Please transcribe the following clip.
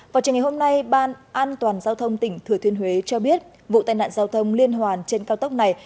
vào trường ngày hôm nay ban an toàn giao thông tỉnh thừa thiên huế cho biết vụ tai nạn giao thông liên hoàn trên cao tốc này